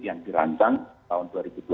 yang dirancang tahun dua ribu dua puluh